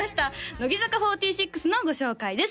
乃木坂４６のご紹介です